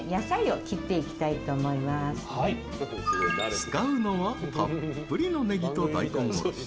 使うのは、たっぷりのねぎと大根おろし。